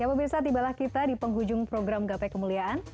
ya pemirsa tibalah kita di penghujung program gapai kemuliaan